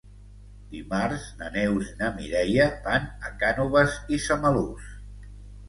Dimarts na Neus i na Mireia van a Cànoves i Samalús.